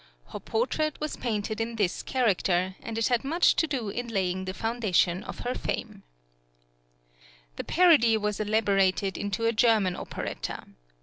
Her portrait was painted in this {THE FIRST OPERA IN VIENNA.} (90) character, and it had much to do in laying the foundation of her fame. The parody was elaborated into a German operetta.